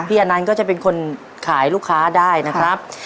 พี่อันนั้นก็จะเป็นคนขายลูกค้าได้นะครับ